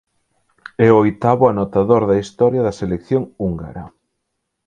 É o oitavo anotador da historia da selección húngara.